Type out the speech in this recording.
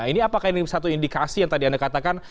ini apakah ini satu indikasi yang tadi anda katakan